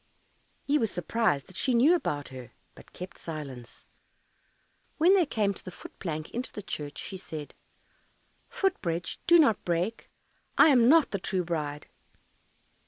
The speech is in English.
He was surprised that she knew about her, but kept silence. When they came to the foot plank into the churchyard, she said, "Foot bridge, do not break, I am not the true bride."